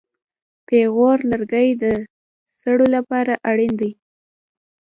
پېغور لرګی د سړو لپاره اړین دی.